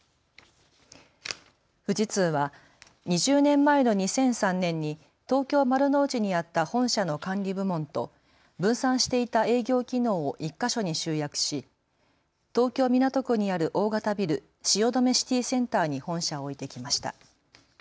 富士通は２０年前の２００３年に東京丸の内にあった本社の管理部門と分散していた営業機能を１か所に集約し東京港区にある大型ビル、汐留シティセンターに本社を置いてきました。